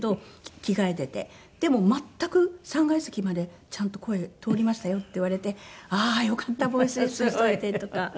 でも全く「３階席までちゃんと声通りましたよ」って言われてああーよかったボイスレッスンしておいてとか。